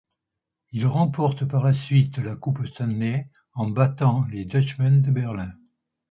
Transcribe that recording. Ils remportent par la suite la Coupe Stanley en battant les Dutchmen de Berlin.